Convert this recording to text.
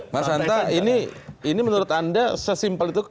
mas hanta ini menurut anda sesimpel itu